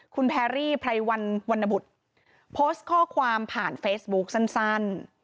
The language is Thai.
คุณแพรรี่ไพรวันวรรณบุตรโพสต์ข้อความผ่านเฟซบุ๊คสั้น